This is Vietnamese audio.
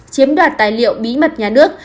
chiếm đoạt tài liệu bí mật nhà nước